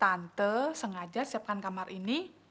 tante sengaja siapkan kamar ini